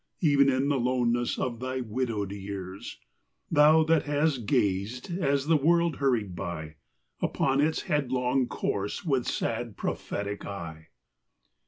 Even in the loneness of thy widowed years : Thou that hast gazed, as the world hurried by. Upon its headlong course with sad prophetic eye.